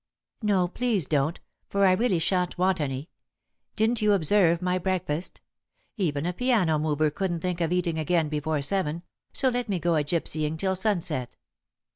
"No, please don't, for I really shan't want any. Didn't you observe my breakfast? Even a piano mover couldn't think of eating again before seven, so let me go a gypsying till sunset."